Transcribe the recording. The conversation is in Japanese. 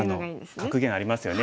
格言ありますよね。